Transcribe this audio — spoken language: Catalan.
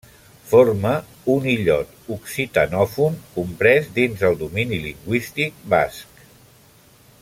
Forma un illot occitanòfon comprès dins el domini lingüístic basc.